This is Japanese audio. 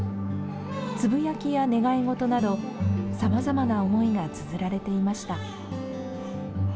つぶやきや願い事など、さまざまな思いがつづられていました。